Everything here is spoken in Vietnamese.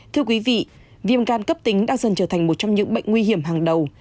thưa quý vị viêm gan cấp tính đang dần trở thành một trong những bệnh nguy hiểm hàng đầu